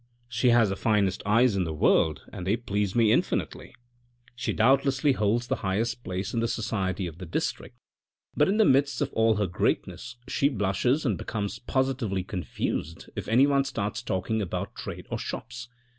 She has the finest eyes in the world and they please me infinitely; she doubtless holds the highest STRASBOURG 4°5 place in the society of the district, but in the midst of all her greatness she blushes and becomes positively confused if any one starts talking about trade or shops.